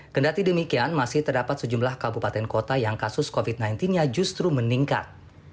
kendati demikian masih terdapat sejumlah kabupaten kota yang kasus covid sembilan belas nya justru meningkat